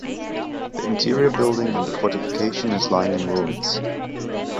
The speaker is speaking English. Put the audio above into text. The interior building and the fortification is lying in ruins